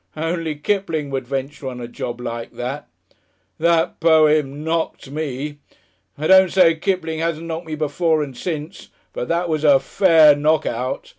Only Kipling could venture on a job like that. That Poem KNOCKED me! I don't say Kipling hasn't knocked me before and since, but that was a Fair Knock Out.